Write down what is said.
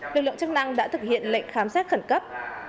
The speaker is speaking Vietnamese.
lực lượng chức năng đã thực hiện lệnh khám xét khẩn cấp